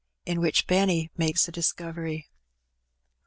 IN WHICH BENNY MAKES A DISCOVEET.